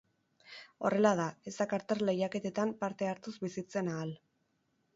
Horrela da, ez da kartel lehiaketetan parte hartuz bizitzen ahal.